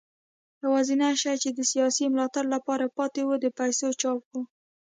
یوازینی شی چې د سیاسي ملاتړ لپاره پاتې و د پیسو چاپ و.